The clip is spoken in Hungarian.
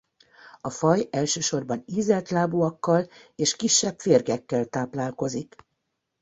A faj elsősorban ízeltlábúakkal és kisebb férgekkel táplálkozik.